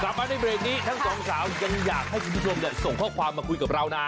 มาในเบรกนี้ทั้งสองสาวยังอยากให้คุณผู้ชมส่งข้อความมาคุยกับเรานะ